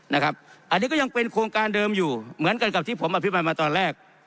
อันนี้ก็ยังเป็นโครงการเดิมอยู่เหมือนกันกับที่ผมอภิปรายมาตอนแรก